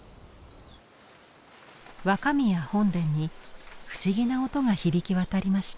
若宮本殿に不思議な音が響き渡りました。